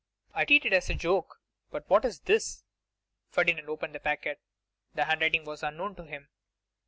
I treated it as a joke. But what is this?' Ferdinand opened the packet. The handwriting was unknown to him.